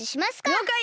りょうかい！